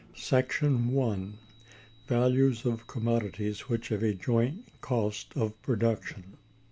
§ 1. Values of commodities which have a joint cost of production.